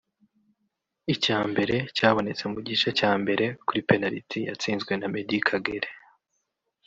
Icya mbere cyabonetse mu gice cya mbere kuri penaliti yatsinzwe na Meddie Kagere